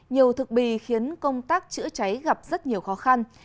nhiều thực bì khiến công tác chữa cháy gặp rất nhiều khó khăn